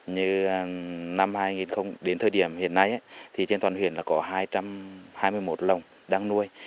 như năm hai nghìn đến thời điểm hiện nay trên toàn huyện là có hai trăm hai mươi một lồng đang nuôi